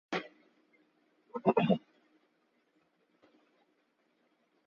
স্টুডেন্টরা কেউই এখানে এমনি এমনি টাকা দিয়ে যায় না।